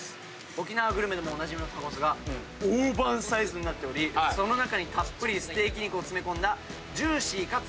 沖縄グルメでもおなじみのタコスが大判サイズになっておりその中にたっぷりステーキ肉を詰め込んだ。